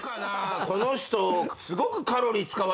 この人。